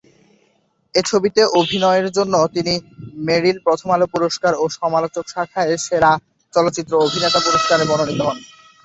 এই ছবিতে অভিনয়ের জন্য তিনি মেরিল-প্রথম আলো পুরস্কার এ সমালোচক শাখায় সেরা চলচ্চিত্র অভিনেতার পুরস্কারে মনোনীত হন।